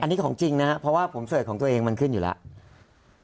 อันนี้ของจริงนะครับเพราะว่าผมเสิร์ชของตัวเองมันขึ้นอยู่แล้ว